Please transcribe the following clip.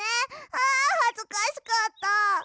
あはずかしかった。